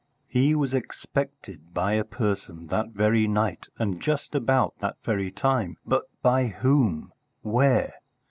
He was expected by a person that very night and just about that very time. But by whom? Where?